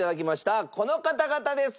この方々です。